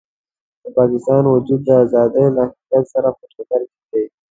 د پاکستان وجود د ازادۍ له حقیقت سره په ټکر کې دی.